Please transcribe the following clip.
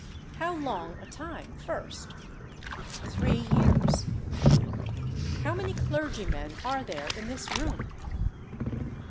"How long a time first?" "Three years." "How many clergymen are there in this room?"